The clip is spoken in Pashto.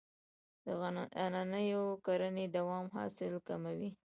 د عنعنوي کرنې دوام حاصل کموي.